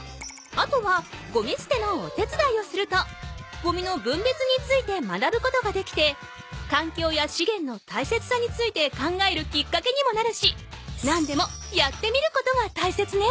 あとはゴミすてのおてつだいをするとゴミのぶんべつについて学ぶことができてかんきょうやしげんの大切さについて考えるきっかけにもなるし何でもやってみることが大切ね。